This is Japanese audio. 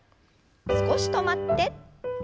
少し止まって。